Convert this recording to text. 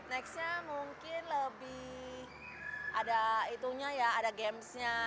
nextnya mungkin lebih ada gamesnya